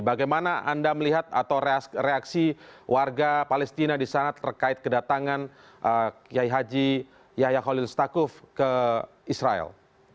bagaimana anda melihat atau reaksi warga palestina di sana terkait kedatangan yahya khalilistakuf ke israel